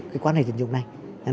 cái quan hệ tín dụng này